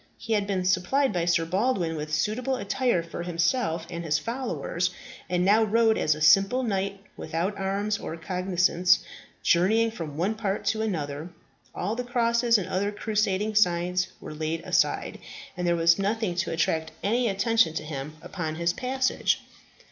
He had been supplied by Sir Baldwin with suitable attire for himself and his followers, and now rode as a simple knight, without arms or cognizance, journeying from one part to another. All the crosses and other crusading signs were laid aside, and there was nothing to attract any attention to him upon his passage.